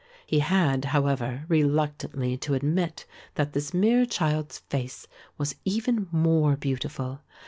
He had, however, reluctantly to admit that this mere child's face was even more beautiful.